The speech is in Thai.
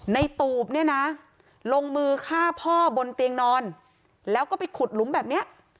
ตูบเนี่ยนะลงมือฆ่าพ่อบนเตียงนอนแล้วก็ไปขุดหลุมแบบเนี้ย